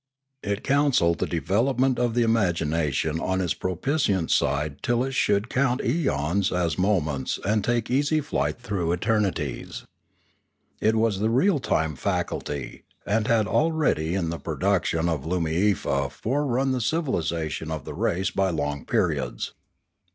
It counselled the development of the imagination on its prospicient side till it should count aeons as mo Pioneering 485 ments and take easy flight through eternities. It was the real time faculty, and had already in the produc tions of Loomiefa forerun the civilisation of the race by long periods.